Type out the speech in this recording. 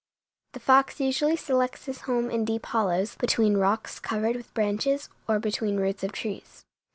The fox usually selects his home in deep hollows, between rocks covered with branches, or between roots of trees.